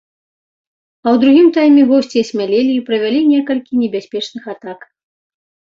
А ў другім тайме госці асмялелі і правялі некалькі небяспечных атак.